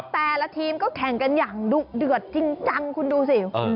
แต่ละทีมก็แข่งกันอย่างดุเดือดจริงจังคุณดูสิ